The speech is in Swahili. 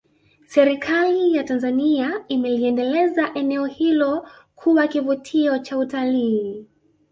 Serikali ya Tanzania imeliendeleza eneo hilo kuwa kivutio cha utalii